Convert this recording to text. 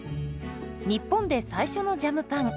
日本で最初のジャムパン。